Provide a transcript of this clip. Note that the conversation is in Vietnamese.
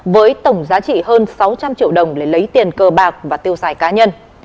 với tổng giá trị hơn sáu trăm linh triệu đồng để lấy tiền cờ bạc và tiêu xài cá nhân